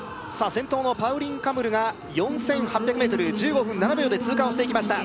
先頭のパウリン・カムルが４８００ｍ１５分７秒で通過をしていきました